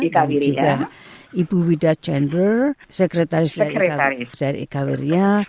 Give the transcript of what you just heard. dan juga ibu wida chandler sekretaris dari ika wiria